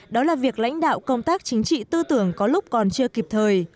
đó là việc lãnh đạo công tác chính trị tư tưởng có lúc còn chưa kịp thời